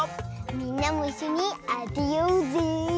みんなもいっしょにあてようぜ。